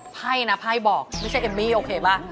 ไพ่นะไพ่บอกไม่ใช่เอมมี่โอเคป่ะ